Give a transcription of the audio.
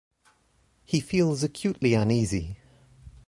He feels acutely uneasy.